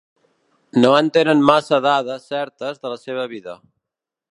No es tenen massa més dades certes de la seva vida.